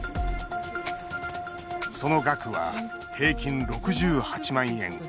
その額は平均６８万円。